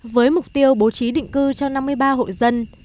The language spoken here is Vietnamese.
với mục tiêu bố trí định cư cho năm mươi ba hộ dân